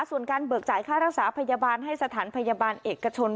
ส่วนการเบิกจ่ายค่ารักษาพยาบาลให้สถานพยาบาลเอกชน